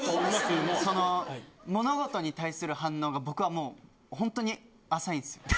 物事に対する反応が、僕はもう本当に浅いんです。